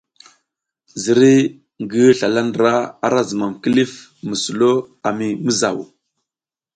Ziriy ngi slala ndra ara zumam kilif mi sulo a mi mizaw.